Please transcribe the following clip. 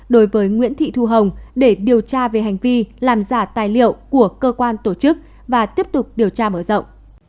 đối với nguyễn thị thu hồng để điều tra về hành vi làm giả tài liệu của cơ quan tổ chức và tiếp tục điều tra mở rộng